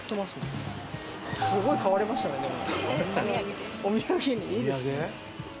すごい買われましたねでも。